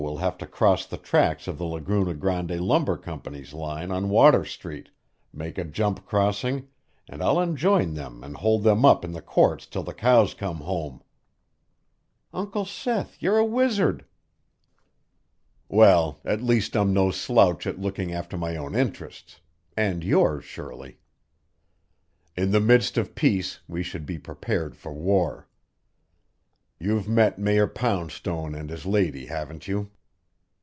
will have to cross the tracks of the Laguna Grande Lumber Company's line on Water Street make a jump crossing and I'll enjoin them and hold them up in the courts till the cows come home." "Uncle Seth, you're a wizard." "Well, at least I'm no slouch at looking after my own interests and yours, Shirley. In the midst of peace we should be prepared for war. You've met Mayor Poundstone and his lady, haven't you?"